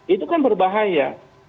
itu kan berbahaya